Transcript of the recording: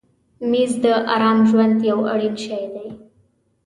مېز د آرام ژوند یو اړین شی دی.